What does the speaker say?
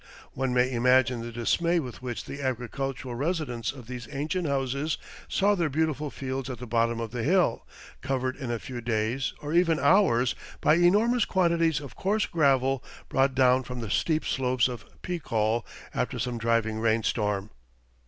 One may imagine the dismay with which the agricultural residents of these ancient houses saw their beautiful fields at the bottom of the hill, covered in a few days, or even hours, by enormous quantities of coarse gravel brought down from the steep slopes of Picol after some driving rainstorm.